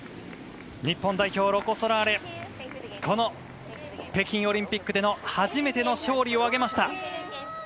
日本代表ロコ・ソラーレ、この北京オリンピックでの初めての勝利を挙げました。